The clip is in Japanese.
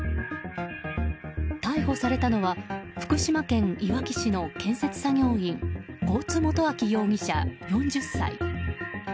逮捕されたのは福島県いわき市の建設作業員合津元昭容疑者、４０歳。